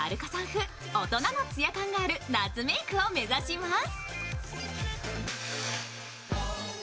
風大人のつや感がある夏メイクを目指します。